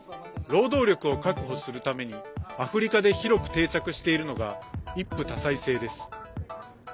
労働力を確保するためにアフリカで広く定着しているのが一夫多妻制です。